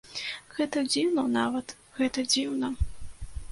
Гэта дзіўна нават, гэта дзіўна.